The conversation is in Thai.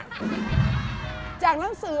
คนมาจากไหนเนี่ย